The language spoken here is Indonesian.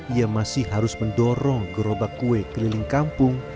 ia masih harus mendorong gerobak kue keliling kampung